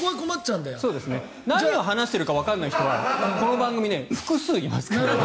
何を話しているかわからない人はこの番組、複数いますから。